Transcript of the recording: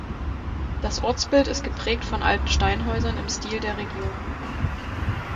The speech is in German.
Das Ortsbild ist geprägt von alten Steinhäusern im Stil der Region.